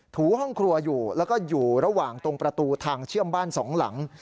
ถูห้องครัวอยู่แล้วก็อยู่ระหว่างตรงประตูทางเชื่อมบ้านสองหลัง